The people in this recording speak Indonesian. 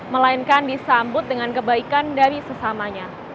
melainkan disambut dengan kebaikan dari sesamanya